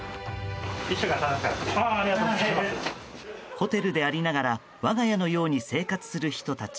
ホテルでありながら我が家のように生活する人たち。